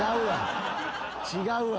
違うわ。